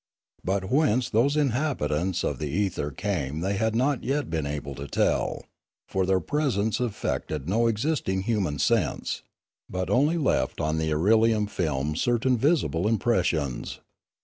But whence those inhabitants of the ether came they had not yet been able to tell; for their presence affected no existing human sense, but only left on the irelium films certain visible impressions.